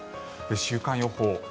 週間予報。